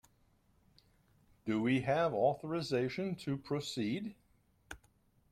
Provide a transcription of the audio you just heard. Do we have authorisation to proceed?